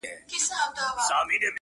غمی ورک سو د سړي پر سترګو شپه سوه,